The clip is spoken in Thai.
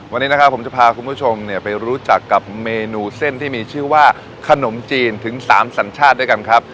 วันนี้นะครับผมจะพาคุณผู้ชมเนี่ยไปรู้จักกับเมนูเส้นที่มีชื่อว่าขนมจีนถึง๓สัญชาติด้วยกันครับ